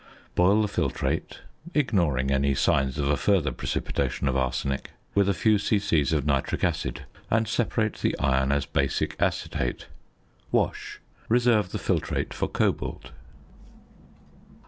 Boil the filtrate (ignoring any signs of a further precipitation of arsenic) with a few c.c. of nitric acid, and separate the iron as basic acetate. Wash; reserve the filtrate for cobalt.